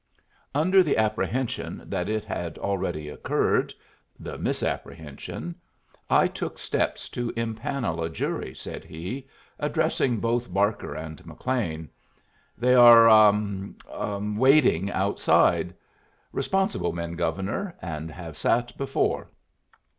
"Under the apprehension that it had already occurred the misapprehension I took steps to impanel a jury," said he, addressing both Barker and McLean. "They are ah waiting outside. Responsible men, Governor, and have sat before.